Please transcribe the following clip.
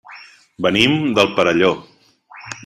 Venim del Perelló.